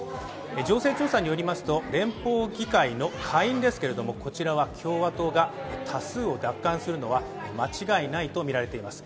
情勢調査によりますと、連邦議会の下院ですけれども、こちらは共和党が多数を奪還するのは間違いないとみられています。